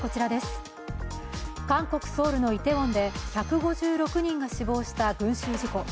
韓国ソウルのイテウォンで１５６人が死亡した群集事故。